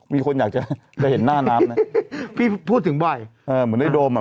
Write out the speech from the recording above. มีคนอยากจะเห็นหน้าน้ำไหมพี่พูดถึงบ่อยเออเหมือนในโดมอ่ะ